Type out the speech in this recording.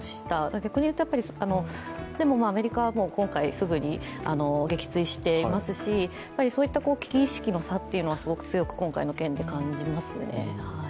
逆に言うと、でもアメリカは今回、すぐに撃墜していますし、そういった危機意識の差はすごく今回の件で感じますね。